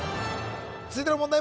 続いての問題